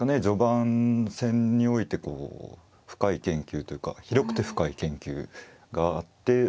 序盤戦において深い研究というか広くて深い研究があって。